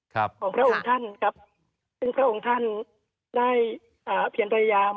ครับของพระองค์ท่านครับซึ่งพระองค์ท่านได้อ่าเพียรพยายาม